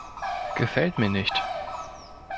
Gefällt mir nicht.